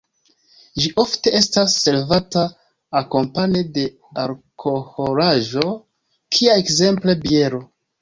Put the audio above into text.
Ĝi ofte estas servata akompane de alkoholaĵo kia ekzemple biero.